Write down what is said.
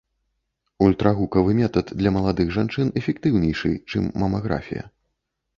Ультрагукавы метад для маладых жанчын эфектыўнейшы, чым мамаграфія.